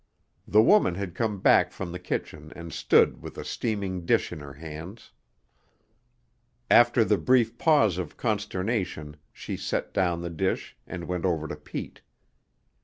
The woman had come back from the kitchen and stood with a steaming dish in her hands. After the brief pause of consternation she set down the dish and went over to Pete.